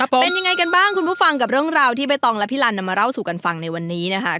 เป็นยังไงกันบ้างคุณผู้ฟังกับเรื่องราวที่ใบตองและพี่ลันนำมาเล่าสู่กันฟังในวันนี้นะคะ